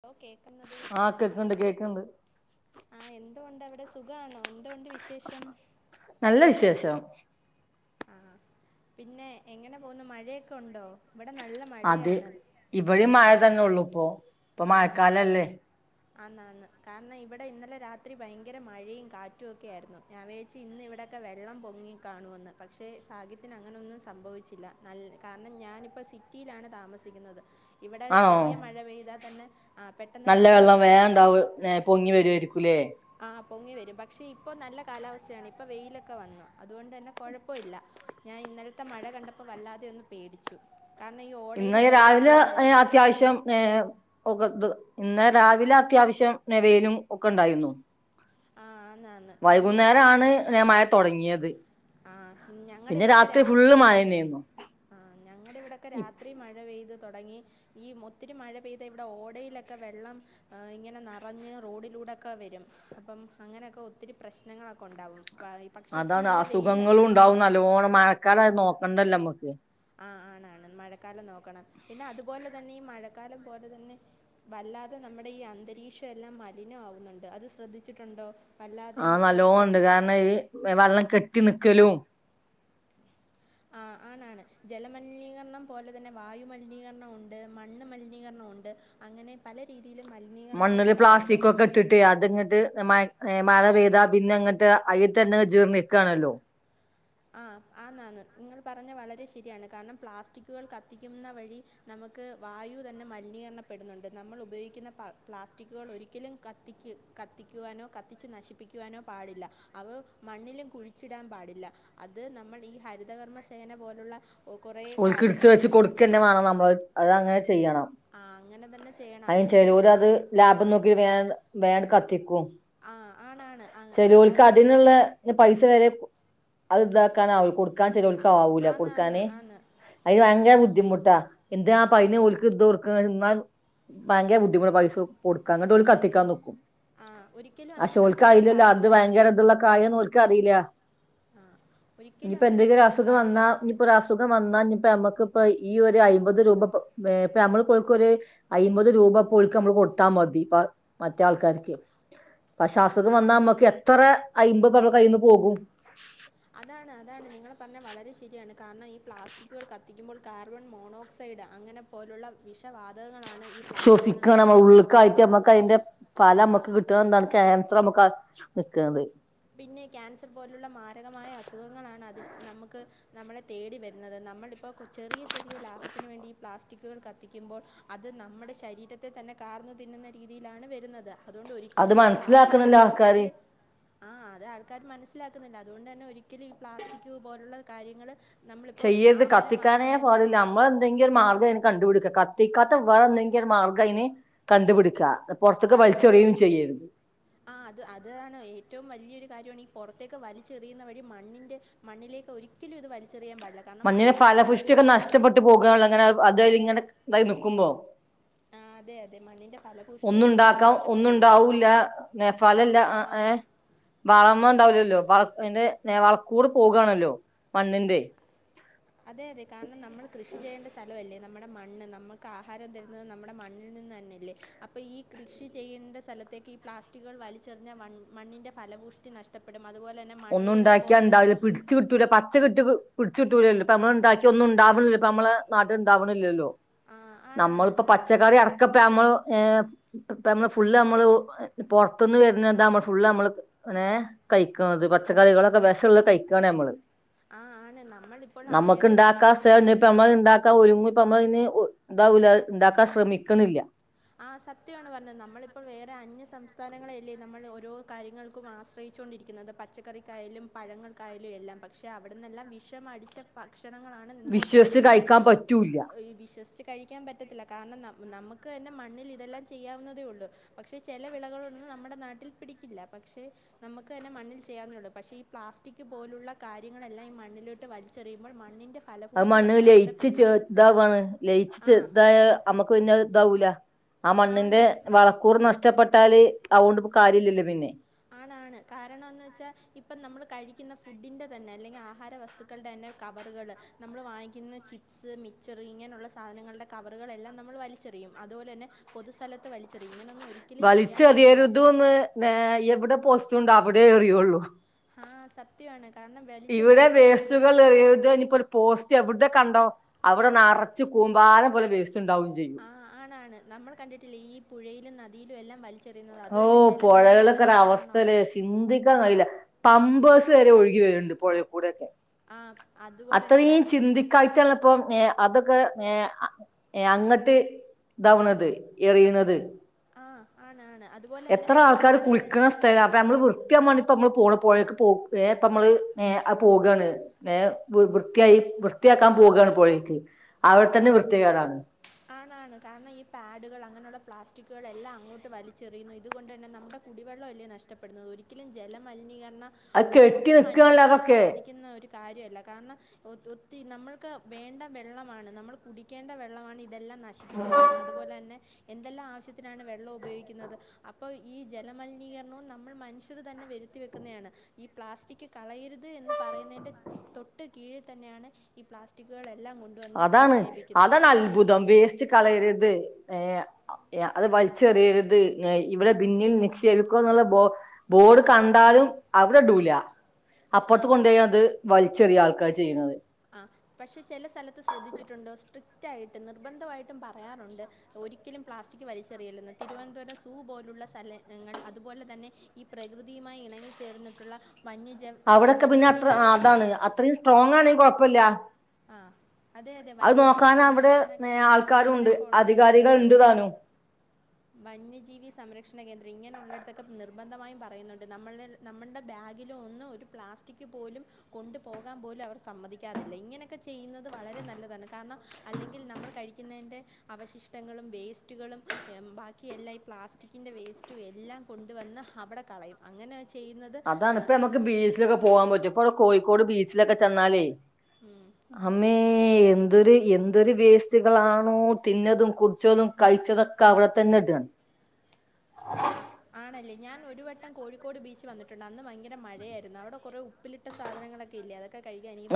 Hello കേക്കുന്നത് ആഹ് കേക്ക്ണ്ട് കേക്ക്ണ്ട് ആ എന്തുകൊണ്ടാ അവിടെ സ് സുഖാണോ? എന്തുണ്ട് വിശേഷം നല്ല വിശേഷം. ആഹ് പിന്നെ എങ്ങനെ പോകുന്നു മഴയൊക്കെ ഒണ്ടോ? അതെ ഇവിടേം മഴ തന്നെ ഒള്ളൂ. ഇപ്പൊ ആ മഴക്കാലല്ലേ ആന്നാന്ന് കാരണം ഇവിടെ ഇന്നലെ രാത്രി ഭയങ്കര മഴയും കാറ്റും ഒക്കെെയായിരുന്നു, ഞാൻ വേച്ചു ഇന്ന് ഇവിടെയൊക്കെ വെള്ളം പൊങ്ങിക്കാണുമെന്ന്, പക്ഷെ ഫാഗ്യത്തിന് അങ്ങനെയൊന്നും സംഭവിച്ചില്ല, നൽ കാരണം ഞാനിപ്പോ സിറ്റിയിലാണ് താമസിക്കുന്നത്. ഇവിടെ ആണോ ചെറിയ മഴ പെയ്താ നല്ല വെള്ളം വേ ണ്ടാവ് പൊങ്ങി വരുരിക്കും കുലേ ആ പൊങ്ങി വരും പക്ഷെ ഇപ്പൊ നല്ല കാലാവസ്ഥയാണ് ഇപ്പൊ വെയിലൊക്കെ വന്നു അതുകൊണ്ട് തന്നെ കുഴപ്പോവില്ല ഞാൻ ഇന്നലത്തെ മഴ കണ്ടപ്പോ വല്ലാതെ ഒന്ന് പേടിച്ചു കാരണം ഈ ഇന്ന്ലെ ഓടയിലെ രാവിലെ വെള്ളമെല്ലാം വരും അത്യാവശ്യം ഏർ ഒ ഇ ഇന്ന രാവിലെ അത്യാവശ്യം നവയിലും ഒക്കെ ഒണ്ടായിരുന്നു ആ ആ വൈകുന്നേരം ആണ് ന. മഴ തൊടങ്ങിയ ത് ആ ഞങ്ങടെ ഇവിടെക്കെ രാത്രി മഴന്നേന്നു ആ ഞങ്ങടെ ഇവിടെക്കെ രാത്രി മഴ പെയ്ത് തൊടങ്ങി ഈ മൊത്തിരി മഴ പെയ്താ ഇവിടെ ഓടയിലൊക്കെ വെള്ളം ഇങ്ങനെ നറഞ്ഞ് റോഡിലൂടെക്ക വരും അപ്പം അങ്ങനെക്ക ഒത്തിരി പ്രശ്നങ്ങളെക്ക ഒണ്ടാകും പ പക്ഷെ ഇപ്പൊ നല്ല സുഖങ്ങളും വെയിലാണ് ഉണ്ടാവും നല്ലോണം മഴക്കാല നോക്കണ്ടല്ലോ നമുക്ക് ആ ആണ് ആണ് മഴക്കാലം നോക്കണം പിന്നെ അതുപോലെ തന്നെ ഈ മഴക്കാലം പോലെ തന്നെ വല്ലാതെ നമ്മുടെ ഈ അന്തരീക്ഷം എല്ലാം മലിനമാവുന്നുണ്ട് അത് ശ്രദ്ധിച്ചിട്ടുണ്ടോ വല്ലാതെ ആ ഇപ്പം പൊ നല്ലോണം ണ്ട് കാരണം ഈ വെള്ളം കെട് ട്ടി നിക്കലും ആ ആണാണ് ജലമലിനീകരണം പോലെ തന്നെ വായു മലിനീകരണം ഒണ്ട് മണ്ണ് മലിനീകരണം ഒണ്ട് അങ്ങനെ പല രീതി മണ്ണില് പ്ലാസ്റ്റിക്കൊക്കെ ഇട്ടിട്ട് അതിങ്ങട്ട് [unintelligible] ഏ മഴ പെയ്താ പിന്നെ അങ്ങട്ട് അയിത്തന്നെ ജ്ജ് നിക്കാണല്ലോ ആ ആന്നാന്ന് നിങ്ങൾ പറഞ്ഞ വളരെ ശരിയാണ് കാരണം പ്ലാസ്റ്റിക്കുകൾ കത്തിക്കുന്ന വഴി നമുക്ക് വായു തന്നെ മലിനീകരണപ്പെടുന്നുണ്ട് നമ്മൾ ഉപയോഗിക്കുന്ന പ പ്ലാസ്റ്റിക്കുകൾ ഒരിക്കലും കത്തിക്ക കത്തിക്കുവാനോ കത്തിച്ച് നശിപ്പിക്കുവാനോ പാടില്ല അവ മണ്ണിലും കുഴിച്ചിടാൻ പാടില്ല അത് നമ്മൾ ഈ ഹരിതകർമ്മ സേന പോലുള്ള ഒ- കുറേ ഓൾക്ക് കാര്യ എടുത്ത് വെച്ച് കൊടുക്ക തന്നെ വേണം നമ്മള് അതങ്ങനെ ചെയ്യണം ആ അങ്ങനെ തന്നെ ചെയ്യണം അതിന് അങ്ങനെ തന്നെ ചെലവര് ചെ- അത് ലാഭം നോക്കി വേ റേ കത്തിക്കും ആ ആണാണ് ആ, ചെറിയവൾക്ക് അല്ലാതെ അതിനുള്ള പൈ [unintelligible] അത് ഇതാക്കാൻ അവൾക്ക് കൊടു ക്കാൻ ചെലർക്ക് ആവൂല ആന്ന് ആന്ന് കൊടുക്കാന് ആന്ന് അതിന്‌ ഭയങ്കര ബു ബുദ്ധിമുട്ടാ എന്റെ ആ പൈനെ ഓൽക്ക് ഇത് കൊടുക്കുക എന്നാൽ ഭയങ്കര ബുദ്ധിമുട്ടാ പൈസ കൊടുക്കാ അങ്ങട്ട് കത്തിക്കാൻ നിക്കും ആ ഒരിക്കലും അങ്ങനെ അഷോൾക്ക് കത്തിക്കാൻ അയില് പാടില്ല രാത്രി ഭയങ്കര ഇതിള്ള കായ [unintelligible] എക്കറിയില്ല ആ ഒരിക്കലും ഇനിയിപ്പോ അങ്ങനെ എന്തെങ്കിലും കത്തിക്കാൻ അസുഖം പാടില്ല വന്നാ ഇനിപ്പോ ഒരു അസുഖം വന്നാ ഇനി ഇ നമ്മുക്കിപ്പ ഈ ഒരു അയ്ബത് രൂപ ഇപ്പ വേ നമ്മൾ ഓൾക്ക് ഒരു അമ്പത് രൂപ പോഴക്ക് നമ്മള് കൊടുത്താ മതി ഇപ്പ മറ്റേ ആൾക്കാർക്ക് പക്ഷെ അസുഖം ആ വന്നാ നമുക്ക് എത്ര [unintelligible] പറ കയ്യിൽന്ന് പോകും അതാണ് അതാണ് നിങ്ങളെ പറഞ്ഞ വളരെ ശരിയാണ് കാരണം ഈ പ്ലാസ്റ്റിക്കുകൾ കത്തിക്കുമ്പോൾ കാർബൺ മോണോക്സൈഡ് അങ്ങനെ പോലുള്ള വിഷവാത ശ്വസിക്കണം ഉള്ളക്കായിട്ട് നമ്മുക്ക് അതിന്റെ ഫല നമുക്ക് കിട്ടും അതോണ്ടാണ് ക്യാൻസർ നമുക്ക നിൽക്കുന്നത് പിന്നെ ക്യാൻസർ പോലുള്ള മാരകമായ അസുഖങ്ങളാണ് അതി നമുക്ക് നമ്മളെ തേടി വരുന്നത് നമ്മളിപ്പോൾ ചെറിയ ചെറിയ ലാഭത്തിന് വേണ്ടി ഈ പ്ലാസ്റ്റിക്കുകൾ കത്തിക്കുമ്പോൾ അത് നമ്മുടെ ശരീരത്തെ തന്നെ കാർന്നു തിന്നുന്ന രീതിയിലാണ് വരുന്നത് അതുകൊണ്ട് അത് ഒരിക്കലും ഈ പ്ലാസ്റ്റിക്കുകൾ മനസ്സിലാക്കണില്ല ആൾക്കാര് കത്തിച്ച് ആൾക്കാാര് മനസ്സിലാക്കുന്നില്ല അതുകൊണ്ട് തന്നെ ഒരിക്കലും ഈ പ്ലാസ്റ്റിക് പോലുള്ള കാര്യങ്ങങ്ങള് ചെയ്യരുത് കത്തിക്കാനേ പാടില്ല നമ്മള് എന്തെങ്കിലും ഒരു മാർഗ്ഗം അയിന് കണ്ടുപിടിക്കണം കത്തിക്കാത്ത വേറെന്തെങ്കിൽ ഒരു മാർഗം അതിനെ കണ്ടുപിടിക്കുക പുറത്തൊക്കെ വലിച്ചെറിയയും ചെയ്യരുത് ആഹ് അത് അതാണ് ഏറ്റവും വലിയൊരു കാര്യമാണ് ഈ പുറത്തേക്ക് വലിച്ചെറിയുന്ന വഴി മണ്ണിന്റെ മണ്ണിലേക്ക് ഒരിക്കലും ഇത് വലിച്ചെറിയാൻ പാ മണ്ണിനെ ഫലപുഷ്ടിയൊക്കെ നഷ്ടപ്പെട്ട് പോകുകള്ളൂ അങ്ങനെ അതായ ഇങ്ങനെ നായി നികുമ്പോ ആ അതെ അതെ മണ്ണിൻ്റെ ഫലഭൂഷ്ടി ഒത്തിരി ഒന്നുണ്ടാക്കാം ഒന്നും നഷ്ടപ്പെട്ടു പോകും ഉണ്ടാവൂല്ല നേഫാലല്ല ആ ഏ അതെ ബാളമ്മ നം ഉണ്ടാവില്ലല്ലോ എന്റെ നേള കൂടെ പോകാണല്ലോ മണ്ണിന്റെ അതെ അതെ കാരണം നമ്മൾ കൃഷി ചെയ്യേണ്ട സ്ഥലംഅല്ലേ നമ്മുടെ മണ്ണ് നമുക്ക് ആഹാരം തരുന്നത് നമ്മുടെ മണ്ണിൽ നിന്ന് തന്നല്ലേ അപ്പോൾ ഈ കൃഷി ചെയ്യേണ്ട സ്ഥലത്തേക്ക് ഈ പ്ലാസ്റ്റിക്കുകൾ വലിച്ചെറിഞ്ഞാൽ മണ്ണിൻ്റെ ഫലപൂയ്ഷ്ടി നഷ്ടപ്പെടും അതുപോലെ തന്നെ ഒന്നും മണ്ണിരകൾ ഉണ്ടാക്കിയാ പോലുള്ള ഉണ്ടാവില്ല പിടിച്ച് കിട്ടൂല പച്ച കിട്ട് ച്ചൂട്ടൂല്ലല്ലോ പ്പ അമ്മള് ഉണ്ടാക്കിയ ഒന്നും ഉണ്ടാവണില്ല പ്പം അമ്മള് നാട്ടീണ്ടാവണില്ലല്ലോ ആ ആണാണ് നമ്മളിപ്പ പച്ചക്കറി അടക്കം നമ്മൾ ഏ പ്പം മ്മള് ഫുള്ള് അമ്മള് പൊറത്തുന്ന് വരുന്ന എന്താ നമ്മൾ ഫുള്ള് അമ്മള് കഴിക്കും അത് പച്ചക്കറികളൊക്കെ വെഷഒള്ള കഴിക്കാണ് അമ്മള് ആ ആണ് നമ്മളിപ്പോൾ ആ നമുക്ക് വേറെ ഉണ്ടാക്കാ സേവ് നീ പ്പ നമ്മൾ ഇണ്ടാക്കാ ഒരുങ്ങ പ്പ മ്മള് ഇനി ഇതാവില്ല അത് ണ്ടാക്കാൻ ശ്രമിക്കണില്ല ആ സത്യമാണ് പറഞ്ഞത് നമ്മളിപ്പോൾ വേറെ അന്യ സംസ്ഥാ സംസ്ഥാനങ്ങളെയല്ലേ നമ്മൾ ഓരോ കാര്യങ്ങൾക്കും ആശ്രയിച്ചു കൊണ്ടിരിക്കുന്നത് പച്ചക്കറിക്കായാലും പഴങ്ങൾക്കായാലും എല്ലാം പക്ഷേ അവിടെന്നെല്ലാം വിഷമടിച്ച ഭ ഭക്ഷണങ്ങളാണ് ഇങ്ങോട്ട് വിശ്വസിച്ച് വരുന്നത് കഴിക്കാൻ പറ്റൂല്ല വിശ്വസിച്ച് കഴിക്കാൻ പറ്റത്തില്ല കാരണം നമ് നമുക്ക് തന്നെ മണ്ണിൽ ഇതെല്ലാം ചെയ്യാവുന്നതേ ഉള്ളൂ പക്ഷേ ചില വിളകളൊന്നും നമ്മുടെ നാട്ടിൽ പിടിക്കില്ല പക്ഷേ നമുക്ക് തന്നെ മണ്ണിൽ ചെയ്യാവുന്നേഉള്ളൂ പക്ഷേ ഈ പ്ലാസ്റ്റിക് പോലുള്ള കാര്യങ്ങളെല്ലാം ഈ മണ്ണിലോട്ട് വലിച്ചെറുമ്പോൾ മണ്ണിൻ്റെ അത് ഫലഭൂഷ്ടി മണ്ണിൽ തന്നെ ലയിച്ച് ചേ നഷ്ടപ്പെടുന്നു. ഇതാവുവാണ് ആ ലയിച്ച് ഇതായ അമ്മക്ക് പിന്നെ ഇതാവൂല ആ മണ്ണിന്റെ ആണ്. വളക്കൂർ നഷ്ടപ്പെ ട്ടാല് അതോണ്ട് ഇപ്പ കാര്യല്ലല്ലോ പിന്നെ അങ്ങനാണ് കാരണം എന്ന് വെച്ചാൽ ഇപ്പ നമ്മ കഴിക്കുന്ന ഫുഡിന്റെ തന്നെ അല്ലെങ്കിൽ ആഹാര വസ്തുക്കളുടെ തന്നെ കവറുകൾ നമ്മൾ വാങ്ങുന്ന ചിപ്സ്, മിച്ചർ ഇങ്ങനുള്ള സാധനങ്ങളുടെ കവറുകൾ എല്ലാം നമ്മൾ വലിച്ചെറിയും അത്പോലെ തന്നെ പൊതുസ്ഥലത്തു വലിച്ചെറിയും ഇങ്ങനൊ വലിച്ചു എറിയരുതുന്നു ഏഹ് എവിടെ പോസ്റ്ററുണ്ടോ അവിടേ എറിയുള്ളൂ. ആഹ് സത്യമാണ്. കാരണം ഇവിടെ വലിച്ചെറിയലൊന്നും വേസ്റ്റുകൾ എറിയരുത് ഇനിയിപ്പോ ഒരു പോ സ്റ്റ് എവിടെ കണ്ടോ അവിടെ നെറച്ചും കൂമ്പാരം പോലെ വേ ആ ണാണ് നമ്മൾ കണ്ടിട്ടില്ലേ ഈ പുഴയിലും ന ദിയിലും എല്ലാം വ ഓ പുഴകളൊക്കെ കാരണമാണ് ഒരവസ്ഥയല്ലേ ചിന്തിക്കാൻ കഴിയില്ല. പമ്പേഴ്സ് വരെ ഒഴുകി വരണുണ്ട് പുഴേ കൂടെയൊക്കെ. ആ അതുപോലെ തന്നെ പാ അത്രയും ചിന്തിക്കായിട്ടല്ലപ്പാ ഏഹ് അതൊക്കെ ഏഹ് ഏഹ് അങ്ങട്ട് ഇതവണത് എറിയുന്നത്. ആ ആണ് ആണ്. അതുപോലെ തന്നെ എത്ര ആൾക്കാര് പാഡുകൾ കുളിക്കുന്ന സ്ഥലാ അപ്പ നമ്മള് വൃത്തിയാകാൻ വേണ്ടി മ്മള് പോണ പുഴേക്ക് പോ ഏഹ് നമ്മള് ഏഹ് പോകയാണ് ഏഹ് വൃത്തിയായി വൃത്തിയാക്കാൻ പോവുകയാണ് പുഴേക്ക് അവിടെ തന്നെ വൃത്തികേടാണ്. ആണാണ് കാരണം ഈ പാഡുകൾ അങ്ങനെയുള്ള പ്ലാസ്റ്റിക്കുകൾ എല്ലാം അങ്ങോട്ട് വലിച്ചെറിയുന്നു ഇതുകൊണ്ട് തന്നെ നമ്മുടെ കുടിവെള്ളം അല്ലേ നഷ്ടപ്പെടുന്നത് ഒരിക്കലും ജലമലിനീകരണം അത് കെട്ടി ഒട്ടും നിൽക്കുകയാണല്ലോ അനുവദിക്കാൻ അതൊക്കെ സാധിക്കുന്ന ഒരു കാര്യല്ല കാരണം ഒ ഒത്തിരി നമ്മൾക്ക് വേണ്ട വെള്ളമാണ് നമ്മൾ കുടിക്കേണ്ട വെള്ളമാണ് ഇ ഇതെല്ലാം നശിപ്പിച്ച് കളയുന്നെ അതുപോലെ തന്നെ എന്തെല്ലാം ആവശ്യത്തിനാണ് വെള്ളം ഉപയോഗിക്കുന്നത് അപ്പോൾ ഈ ജലമലിനീകരണവും നമ്മൾ മനുഷ്യർ തന്നെ വരുത്തി വെക്കുന്നതാണ് ഈ പ്ലാസ്റ്റിക് കളയരുത് എന്ന് പറയുന്നതിൻ്റെ തൊട്ട് കീഴിൽ തന്നെയാണ് ഈ പ്ലാസ്റ്റിക്കുകെ അതാണ് അതാണ് അത്ഭുതം വേസ് ച് കളയരുത് ഏ അത് വലിച്ചെറിയരുത് എ ഇവിടെ ബിന്നിൽ നിക്ഷേപിക്കുകന്നുള്ള ബോ ബോർഡ് കണ്ടാലും അവിടെടൂല ആ അപ്പർത്ത് കൊണ്ടയത് വൽച്ചെറിയ ആൾക്കാ ക്ക ചെയ്യുന്നത് ആ പക്ഷെ ചെല സ്ഥലത്ത് ശ്രദ്ധിച്ചിട്ടുണ്ടോ സ്ട്രിക്റ്റ് ആയിട്ട് നിർബന്ധമായിട്ടും പറയാറുണ്ട് ഒരിക്കലും പ്ലാസ്റ്റിക് വലിച്ചെറിയല്ലെന്ന് തിരുവനന്തപുരം സൂ പോലുള്ള സ്ഥലങ്ങൾ അതുപോലെ തന്നെ ഈ പ്രകൃതിയുമായി ഇണങ്ങിച്ചേർന്നിട്ടുള്ള വന്യജ ഏഹ് അവിടൊക്കെ പിന്നെ അത്ര വന്യജീവി സ്- ആ അതാണ് അത്രയും സ്ട്രോങ് ആണെങ്കി കൊയ് പ്പല്ല ആ അതെ അതെ വന്യജീവി അവിടെ സംരക്ഷണ ഏഹ് കേന്ദ്രം ആൾക്കാരുണ്ട് അങ്ങനൊക്കെ ഒള്ളട അധികാരികൾ ഉണ്ടല്ലോ ഉണ്ട് താനും വന്യജീവി സംരക്ഷണ കേന്ദ്രം ഇങ്ങനുള്ളടത്തൊക്കെ നിർബന്ധമായും പറയുന്നുണ്ട് നമ്മള നമ്മള്ടെ ബാഗിലൊന്നും ഒരു പ്ലാസ്റ്റിക് പോലും കൊണ്ടു പോകാൻ പോലും അവർ സമ്മതിക്കാതില്ല ഇങ്ങനെ ക്കെ ചെയ്യുന്നത് വളരെ നല്ലതാണ് കാരണം അല്ലെങ്കിൽ നമ്മൾ കഴിക്കുന്നതിൻ്റെ അവശിഷ്ടങ്ങളും വേസ്റ്റുകളും ബാക്കി എല്ല ഈ പ്ലാസ്റ്റിക്കിൻ്റെ വേസ്റ്റും എല്ലാം കൊണ്ടുവന്ന് അവിടെ കളയും അങ്ങനെ വെച്ചാൽ അതാണ്പ്പൊ നമുക്ക് ബീച്ചിലൊക്കെ പോകാൻ പറ്റൊ ഇപ്പടെ കോയ് കോഴിക്കോട് ബീച്ചിലൊക്കെ ചെന്നാലേ അമ്മേ എന്തൊരു എന്തൊരു വേസ്റ്റ്കളാണോ തിന്നതും കുടിച്ചതും കഴിച്ചതൊക്കെ അവടെ തന്നെ ഇടാണ് ആ ആണല്ലേ ഞാൻ ഒരു വട്ടം കോഴിക്കോട് ബീച്ച് വന്നിട്ടൊണ്ട് അന്ന് ഭയങ്കര മഴയാരുന്നു അവടെ കൊറെ ഉപ്പിലിട്ട സാധനങ്ങളൊക്കെ ഇല്ലേ അത്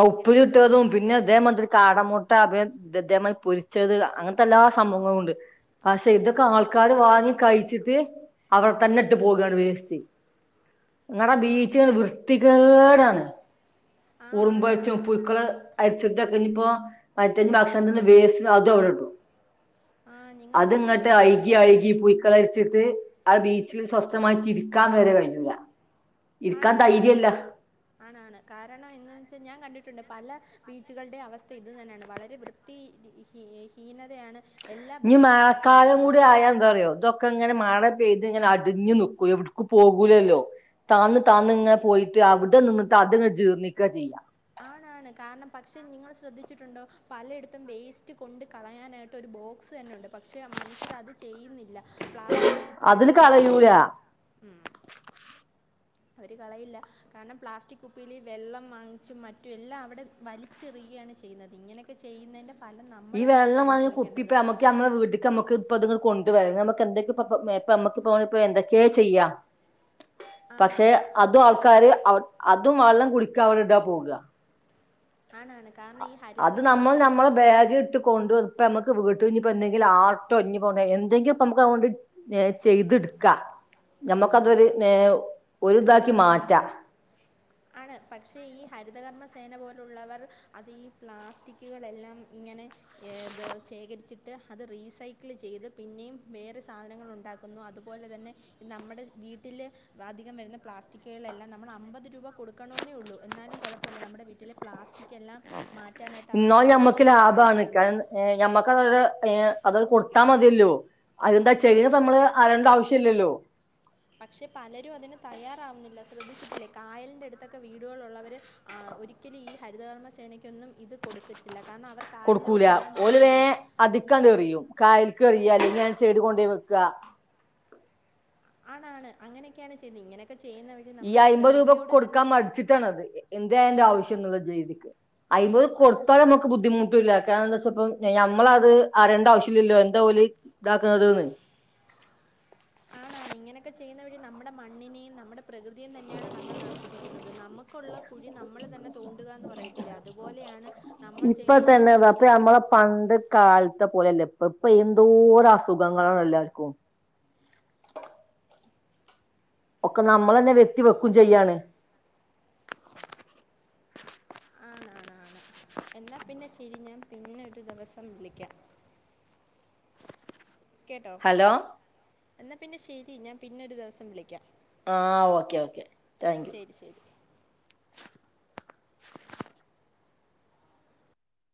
ആഹ്‌ ഉപ്പിലിട്ടതും പിന്നെ ഇതേമത്രി കാടമൊട്ട [unintelligible] ഇത് അതെമായി പൊരിച്ചത് അങ്ങനത്തെ എല്ലാ സംഭവങ്ങളു ഒണ്ട് പക്ഷെ ഇതൊക്കെ ആൾക്കാര് വാങ്ങി കഴിച്ചിട്ട് അവിടെ തന്നെ ഇട്ട് പോകണ് വേസ്റ്റ് നിങ്ങടാ ബീച്ച വൃത്തികേടാണ് ആ ഉറുമ്പഴച്ചും ആണാണ് പുയുക്കള് അരിച്ചിട്ട് ക ഇനിപ്പോ [unintelligible] ഭക്ഷണത്തിന്റെ വേസ്റ്റ് അതും അവടെടും ആ നിങ്ങൾ അത് പറഞ്ഞത് ഇങ്ങട്ട് വളരെ അയിക്കി ശ അയിക്കി പൂഴ്ക്ക ഴ്ത്ത് ആ ബീച്ചിൽ സ്വസ്ഥമായിട്ട് ഇരിക്കാന്ന് വരെ കഴിഞ്ഞില്ല ആണാണ് ഇരിക്കാൻ ആണാണ് ധൈര്യമല്ല ആണാണ് ആണാണ് കാരണം ഇന്ന് ച്ചെ ഞാൻ കണ്ടിട്ടുണ്ട്. പല ബീച്ചുകള്ടെ അവസ്ഥ ഇത് തന്നെണ് വളരെ വൃത്തി ഹ ഹീനതയാണ് എല്ലാ ഇഞ് ബീച്ചിലും ഇപ്പം മാഴക്കാലം കൂടി കണ്ടുവരുന്നത് ആയാ എന്താ അറിയോ ഇതൊക്കെ ഇങ്ങനെ മഴ പെയ്ത് ഇങ്ങനെ അടിഞ്ഞു നിക്കും എവിട്ക്കും പോകൂലല്ലോ താന്ന് താന്ന് ഇങ്ങനെ പോയിട്ട് അവിടെ നിന്നിട്ട് അത്ങ്ങനെ ജീർണ്ണിക്ക ചെയ്യാം കാരണം പക്ഷെ നിങ്ങൾ ശ്രദ്ധിച്ചിട്ട്ണ്ടോ പലയിടത്തും വേയ്സ്റ്റ് കൊണ്ട് കളയാനായിട്ട് ഒരു ബോക്സ് തന്നെ ഉണ്ട് പക്ഷെ മനുഷ്യർ അത് ചെയ്യുന്നില്ല പ്ലാസ്റ്റിക് അതിൽ കുപ്പികളിൽ ഒരോ കളയൂല വെള്ളം ഉം അവര് കളയില്ല കാര്ണം പ്ലാസ്റ്റിക് കുപ്പിയിൽ വെള്ളം വാങ്ങിച്ചും മറ്റും പറ്റും എല്ലാ അവിടെ വലിച്ചെറിയാണ് ചെയ്യുന്നത് ഇങ്ങനെക്കെ ചെയ്യുന്നെൻ്റെ ഈ വെള്ളം വാങ്ങി കുപ്പിപ്പം അമക്ക് മ്മടെ വീട്ട്ക്ക് നമക്ക് ഇപ്പ കൊണ്ടുവര നമക്ക് എന്തൊക്കെപ്പ മേപ്പ നമ്മക്കിപ്പം എന്തൊക്കെയേ ചെയ്യാം ആ പക്ഷെ അതാ അതും ആൾക്കാര് അവി ആ അതും വെള്ളം കുടിക്ക അവടെ ഇടാ പോകാ ആണാണ് കാരണം ഈ അത് ഹരിതകർമ്മ നമ്മൾ സേന നമ്മളെ ബേഗ് ഇട്ട് കൊണ്ടുവന്ന ഇപ്പ നമ്മക്ക് വീട്ട് ഇഞ്ഞ്പ്പെന്തെങ്കിലു ആട്ടോ ഇഞ്ഞ് പോ എന്തെങ്കിപ്പൊ നമക്ക് അഹോണ്ട് ചെയ്ത് ഇട്ക്ക ഞമ്മക്ക് അതൊരു ഒര് ഒര് ഇതാക്കി മാറ്റാ ആണ് പക്ഷേ ഈ ഹരിതകർമ്മ സ് സേന പോലുള്ളവർ അത് ഈ പ്ലാസ്റ്റിക്കുകളെല്ലാം ഇങ്ങനെ ഇത് ശേഖരിച്ചിട്ട് അത് റീസൈക്കിൾ ചെയ്ത് പിന്നെയും വേറെ സാധനങ്ങൾ ഉണ്ടാക്കുന്നു അതുപോലെ തന്നെ നമ്മുടെ വീട്ടിൽ അധികം വരുന്ന പ്ലാസ്റ്റിക്കുകളെല്ലാം നമ്മള് അമ്പത് രൂപ കൊടുക്കണോ ള്ളു എന്നാലും കുഴപ്പമില്ല നമ്മുടെ വീട്ടിലെ പ്ലാസ്റ്റിക് എല്ലാം മാറ്റാനായിട്ട് അവർ എന്നാലും നമ്മളെ ഞമ്മക്ക് ഒത്തിരി ലാഭാണ് സഹായിക്കുന്നുണ്ട് അതങ്ങ് കൊടുത്താ മതിയല്ലോ അതെന്താ ചെെ ആണ് നമ്മള് അലേണ്ട ആവശ്യല്ലല്ലോ പക്ഷെ പലരും അതിന് തയ്യാറാവുന്നില്ല ശ്രദ്ധിച്ചിട്ടില്ലേ കായലിന്റടുത് ക്കെ വീടുകളുള്ളവര് ഒരിക്കലും ഈ ഹരിതകർമ്മ സേനയ്ക്കൊന്നും ഇത് കൊടുക്കത്തില്ല കാരണം അവർ കൊടുക്കൂല കായലിലോട്ടെല്ലാം ഓല് നേ വലിച്ചെറിയും അതിക്കാണ്ട് എറിയും കായൽക്ക് എറിയും [unintelligible] ഞാൻ സൈഡി കൊണ്ടോയി വെക്ക ആണാണ് അങ്ങനൊക്കെയാണ് ചെയ്ത് ഇങ്ങനെ ഈ അയ്മ്പത് രൂപ കൊടുക്കാൻ മടിച്ചിട്ടാണത് എന്ത് അതിന്റെ ആവശ് ജ് ഒന്നൂടെ [unintelligible] അയ്മ്പ ആണ് കൊട്ത്താലും നമ്മക്ക് ബുദ്ധിമുട്ടില്ല ന്നാച്ചപ്പം ഞമ്മളത് അറേണ്ട ആവശ്യല്ലല്ലോ എന്താ ഓല് ഇതാക്കുന്നതെന്ന് ആണാണ് ഇങ്ങനെയൊക്കെ ചെയ്യുന്ന വഴി നമ്മുടെ മണ്ണിനെയും നമ്മുടെ പ്രകൃതിയും തന്നെയാണ് നമ്മൾ നശിപ്പിക്കുന്നത്. നമുക്കുള്ള കുഴി നമ്മൾ തന്നെ തോണ്ടുകാന്ന് പറയത്തില്ലെ അതുപോലെയാണ് നമ്മൾ ഇപ്പൊ ചെയ്യുന്ന ഓരോ തന്നെ ദാ ഇപ്പൊ പ്രവൃത്തിടെയും പ്പം ഇപ്പ എന്തോരം അസുഖങ്ങളാണ് എല്ലാർക്കും ഒക്കെ നമ്മളന്നെ വെര്ത്തി വെക്കും ചെയ്യാണ്. ആണാണ് ആണ്. എന്നാൽ പിന്നെ ശരി ഞാൻ പിന്നെ ഒരു ദിവസം വിളിക്കാം. കേട്ടോ. ഹലോ എന്നാ പിന്നെ ശരി ഞാൻ പിന്നൊരു ദിവസം വിളിക്കാം. ആ ഓക്കെ ഓക്കെ റ്റാങ്ക്യു. ശരി ശരി